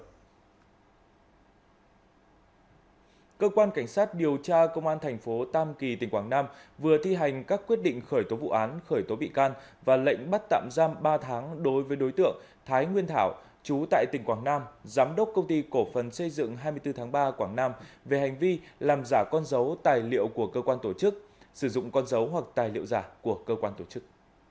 hiện cơ quan cảnh sát điều tra công an thành phố tam kỳ tỉnh quảng nam vừa thi hành các quyết định khởi tố vụ án khởi tố bị can và lệnh bắt tạm giam ba tháng đối với đối tượng thái nguyên thảo chú tại tỉnh quảng nam giám đốc công ty cổ phần xây dựng hai mươi bốn tháng ba quảng nam về hành vi làm giả con dấu tài liệu của cơ quan tổ chức sử dụng con dấu hoặc tài liệu giả của cơ quan tổ chức